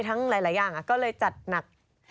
ทั้งหลายอย่างก็เลยจัดหนัก